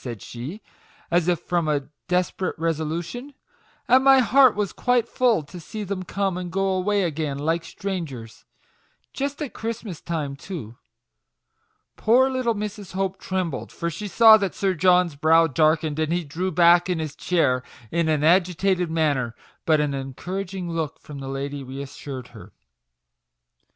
37 said she, as if from a desperate resolution, '* and my heart was quite full to see them come and go away again like strangers just at Christmas time, too \" Poor little Mrs. Hope trembled, for she saw that Sir John's brow darkened, and he drew back in his chair in an agitated manner; but an encouraging look from the lady re assured her.